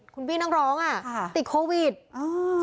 คุณพี่นักร้องอ่ะค่ะติดโควิดอ่า